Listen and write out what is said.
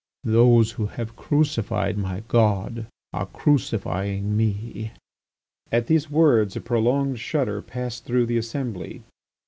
Those who have crucified my God are crucifying me!" At these words a prolonged shudder passed through the assembly.